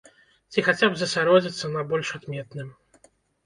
Ці хаця б засяродзіцца на больш адметным.